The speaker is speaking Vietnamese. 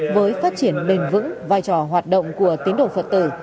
với phát triển bền vững vai trò hoạt động của tín đồ phật tử